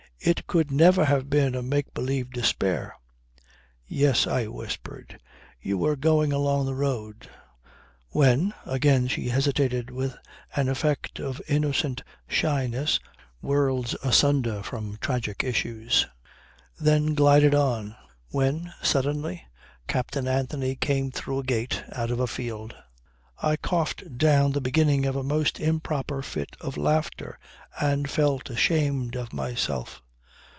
It could never have been a make believe despair. "Yes," I whispered. "You were going along the road." "When ..." Again she hesitated with an effect of innocent shyness worlds asunder from tragic issues; then glided on ... "When suddenly Captain Anthony came through a gate out of a field." I coughed down the beginning of a most improper fit of laughter, and felt ashamed of myself.